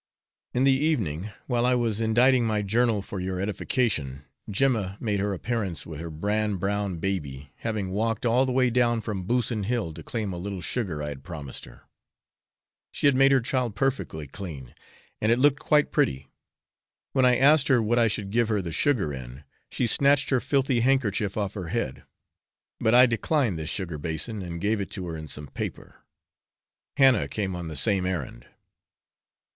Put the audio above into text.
In the evening, while I was inditing my journal for your edification, Jema made her appearance with her Bran brown baby, having walked all the way down from Busson Hill to claim a little sugar I had promised her. She had made her child perfectly clean, and it looked quite pretty. When I asked her what I should give her the sugar in, she snatched her filthy handkerchief off her head; but I declined this sugar basin, and gave it to her in some paper. Hannah came on the same errand.